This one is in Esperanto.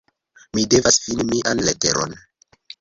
Mi devas ﬁni mian leteron.